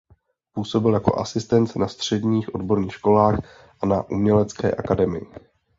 Působil jako asistent na středních odborných školách a na umělecké akademii.